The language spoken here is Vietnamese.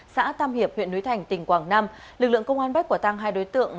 xã tam hiệp huyện núi thành tỉnh quảng nam lực lượng công an bắt quả tăng hai đối tượng